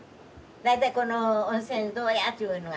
大体この温泉どうやっちゅうのが。